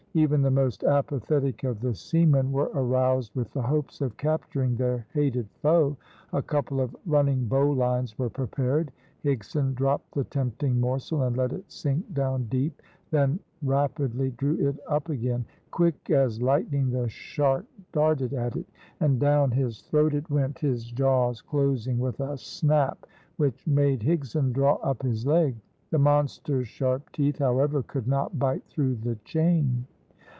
Even the most apathetic of the seamen were aroused with the hopes of capturing their hated foe. A couple of running bowlines were prepared. Higson dropped the tempting morsel, and let it sink down deep, then rapidly drew it up again. Quick as lightning the shark darted at it, and down his throat it went, his jaws closing with a snap which made Higson draw up his leg. The monster's sharp teeth, however, could not bite through the chain.